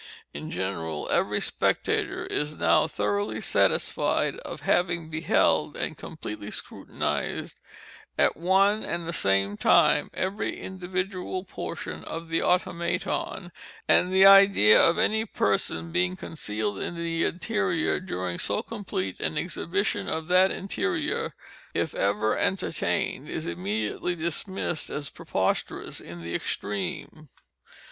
In general, every spectator is now thoroughly satisfied of having beheld and completely scrutinized, at one and the same time, every individual portion of the Automaton, and the idea of any person being concealed in the interior, during so complete an exhibition of that interior, if ever entertained, is immediately dismissed as preposterous in the extreme.